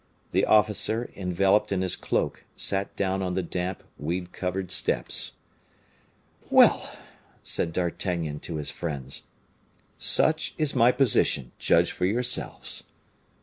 The officer, enveloped in his cloak, sat down on the damp, weed covered steps. "Well!" said D'Artagnan to his friends, "such is my position, judge for yourselves."